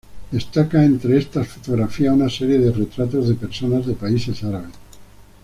Destaca entre estas fotografías, una serie de retratos de personas de países árabes.